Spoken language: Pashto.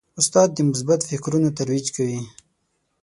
استاد د مثبت فکرونو ترویج کوي.